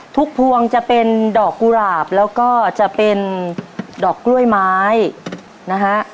พวงจะเป็นดอกกุหลาบแล้วก็จะเป็นดอกกล้วยไม้นะฮะ